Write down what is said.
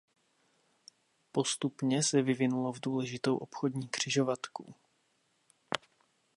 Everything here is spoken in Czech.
Postupně se vyvinulo v důležitou obchodní křižovatku.